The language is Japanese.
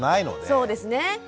そうですね。